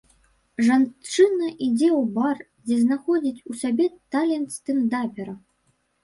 Жанчына ідзе ў бар, дзе знаходзіць у сабе талент стэндапера.